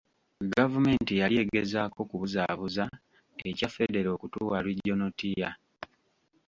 Gavumenti yali egezaako kubuzaabuza ekya Federo okutuwa Regional tier.